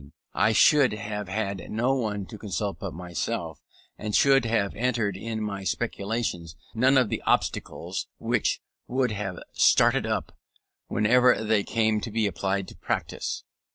As a speculative writer, I should have had no one to consult but myself, and should have encountered in my speculations none of the obstacles which would have started up whenever they came to be applied to practice.